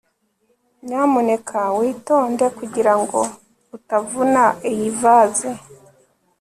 nyamuneka witonde kugirango utavuna iyi vase